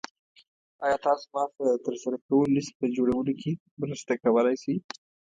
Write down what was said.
ایا تاسو ما سره د ترسره کولو لیست په جوړولو کې مرسته کولی شئ؟